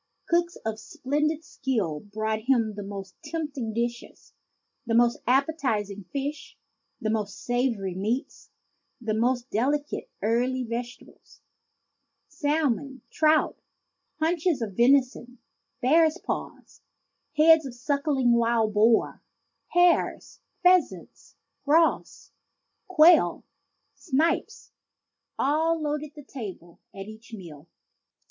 Cooks of splen did skill brought him the most tempting dishes. The most ap petizing fish, the most savory meats, the most delicate early vegetables, salmon, trout, haunches of vension, bears' paws, heads of suckling wild boars, hares, pheasants, grouse, quail, snipe, all loaded the table at each meal.